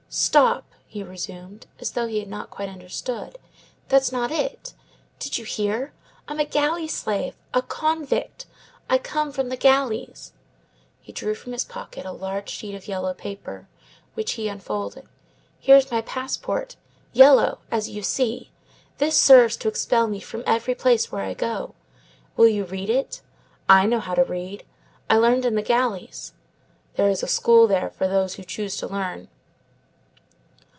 "Stop," he resumed, as though he had not quite understood; "that's not it. Did you hear? I am a galley slave; a convict. I come from the galleys." He drew from his pocket a large sheet of yellow paper, which he unfolded. "Here's my passport. Yellow, as you see. This serves to expel me from every place where I go. Will you read it? I know how to read. I learned in the galleys. There is a school there for those who choose to learn.